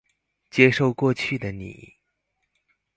接受過去的你